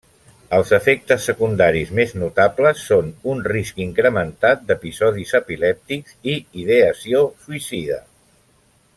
Els efectes secundaris més notables són un risc incrementat d'episodis epilèptics i ideació suïcida.